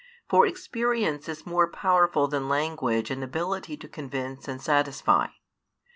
For experience is more powerful than language in ability to convince and satisfy.